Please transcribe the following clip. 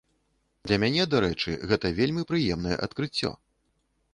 Для мяне, дарэчы, гэта вельмі прыемнае адкрыццё.